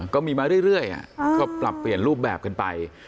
ก็มีมาเรื่อยก็ปรับเปลี่ยนรูปแบบกันไป